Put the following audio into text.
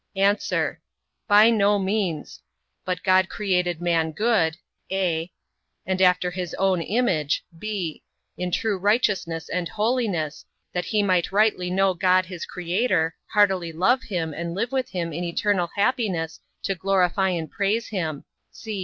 A. By no means; but God created man good, (a) and after his own image, (b) in true righteousness and holiness, that he might rightly know God his Creator, heartily love him and live with him in eternal happiness to glorify and praise him.